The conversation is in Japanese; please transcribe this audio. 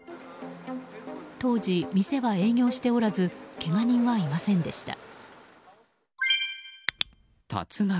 当時、店は営業しておらずけが人はいませんでした。